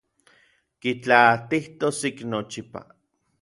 Kitlaatijtos ik nochipa.